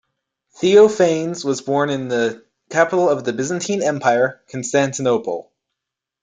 Theophanes was born in the capital of the Byzantine Empire, Constantinople.